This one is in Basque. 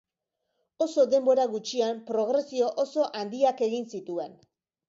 Oso denbora gutxian progresio oso handiak egin zituen.